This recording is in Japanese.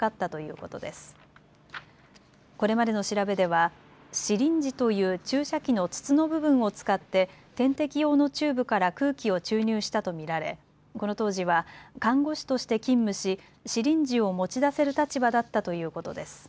これまでの調べではシリンジという注射器の筒の部分を使って点滴用のチューブから空気を注入したと見られこの当時は看護師として勤務しシリンジを持ち出せる立場だったということです。